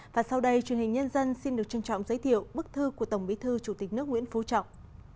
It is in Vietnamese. và sau đây truyền hình nhân dân xin được trân trọng giới thiệu bức thư của tổng bí thư chủ tịch nước nguyễn phú trọng